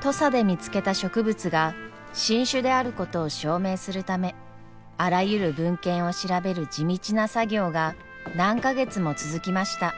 土佐で見つけた植物が新種であることを証明するためあらゆる文献を調べる地道な作業が何か月も続きました。